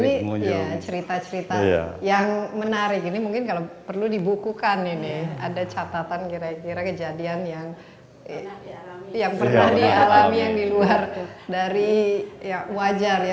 ini ya cerita cerita yang menarik ini mungkin kalau perlu dibukukan ini ada catatan kira kira kejadian yang pernah dialami yang di luar dari ya wajar ya